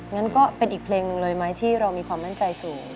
งั้นก็เป็นอีกเพลงหนึ่งเลยไหมที่เรามีความมั่นใจสูง